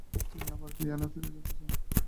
তিনি আবার ভিয়েনা ফিরে যেতে চান।